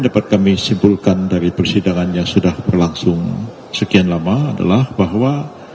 dapat kami simpulkan dari persidangan yang sudah berlangsung sekian lama adalah bahwa